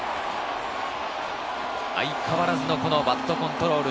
相変わらずのバットコントロール。